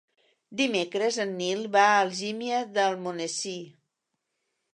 Dimecres en Nil va a Algímia d'Almonesir.